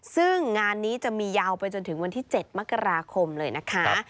ซึ่งงานนี้จะมียาวไปจนถึงวันที่๗มกราคมเลยนะคะ